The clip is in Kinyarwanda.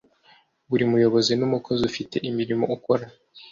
Buri muyobozi n umukozi ufite imirimo akora